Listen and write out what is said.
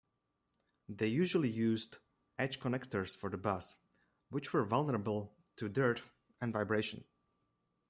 They usually used edge-connectors for the bus, which were vulnerable to dirt and vibration.